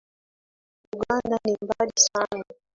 Uganda ni mbali sana.